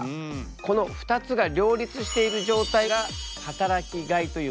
この２つが両立している状態が働きがいという言葉なんだ。